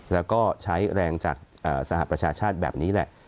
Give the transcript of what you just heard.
แล้วก็ใช้แรงจากสหประชาชาติแบบนี้แหละ